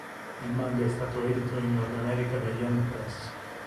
Il manga è stato edito in Nord America da Yen Press.